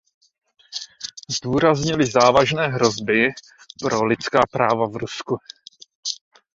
Zdůraznili závažné hrozby pro lidská práva v Rusku.